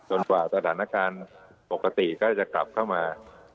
กว่าสถานการณ์ปกติก็จะกลับเข้ามา